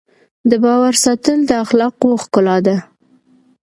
د باور ساتل د اخلاقو ښکلا ده.